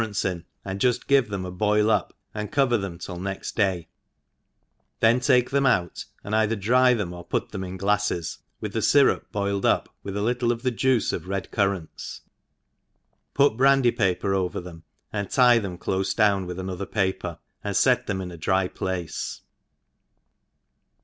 rants in, and juft give them a boil up, and cover . them till next day, then take them out, and pither dry them or put theni in glafles, with the fyrup boiled up with a little of the juice of re4 currapts i put. brandy paper over them| and tie fhem clofe down with aj^other paper, and fet them in a dry place.